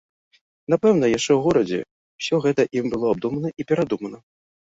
Напэўна, яшчэ ў горадзе ўсё гэта ім было абдумана і перадумана.